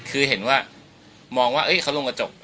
คือเห็นว่ามองว่าเขาลงกระจก